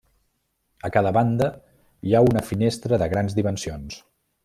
A cada banda hi ha una finestra de grans dimensions.